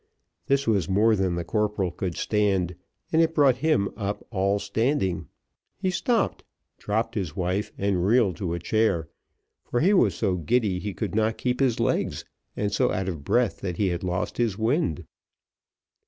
This was more than the corporal could stand, and it brought him up all standing he stopped, dropped his wife, and reeled to a chair, for he was so giddy that he could not keep his legs, and so out of breath that he had lost his wind.